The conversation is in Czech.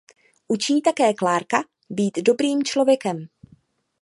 Učí také Clarka být dobrým člověkem.